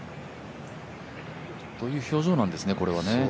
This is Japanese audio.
そういう表情なんですね、これは。